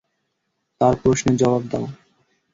তার প্রশ্নের জবাব দাও।